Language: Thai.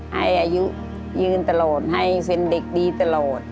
อายุยืนตลอดให้เป็นเด็กดีตลอด